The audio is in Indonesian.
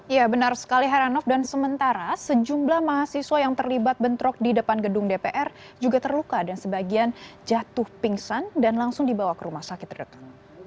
ya benar sekali heranov dan sementara sejumlah mahasiswa yang terlibat bentrok di depan gedung dpr juga terluka dan sebagian jatuh pingsan dan langsung dibawa ke rumah sakit terdekat